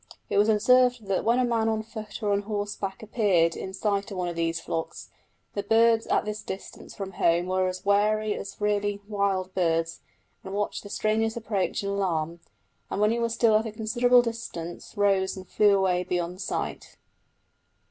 It was observed that when a man on foot or on horseback appeared in sight of one of these flocks, the birds at this distance from home were as wary as really wild birds, and watched the stranger's approach in alarm, and when he was still at a considerable distance rose and flew away beyond sight.